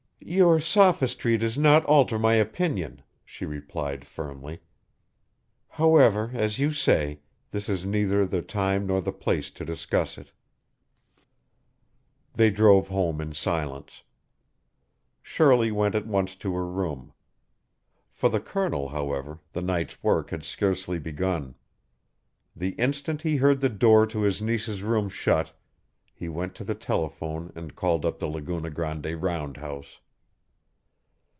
"Your sophistry does not alter my opinion," she replied firmly. "However, as you say, this is neither the time nor the place to discuss it." They drove home in silence. Shirley went at once to her room. For the Colonel, however, the night's work had scarcely begun. The instant he heard the door to his niece's room shut, he went to the telephone and called up the Laguna Grande roundhouse.